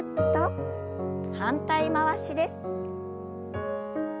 反対回しです。